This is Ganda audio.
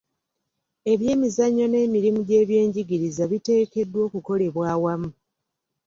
Eby'emizannyo n'emirimu gy'ebyenjigiriza biteekeddwa okukolebwa awamu.